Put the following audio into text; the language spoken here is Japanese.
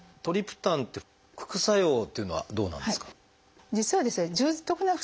トリプタンって副作用っていうのはどうなんですか？